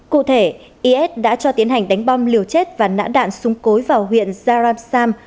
cụ thể is đã cho tiến hành đánh bom liều chết và nã đạn súng cối vào huyện zaramsam